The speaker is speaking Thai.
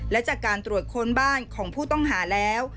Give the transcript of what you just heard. และจากการตรวจค้นบ้านของผู้ต้องหาแล้ว